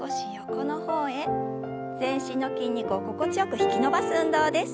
全身の筋肉を心地よく引き伸ばす運動です。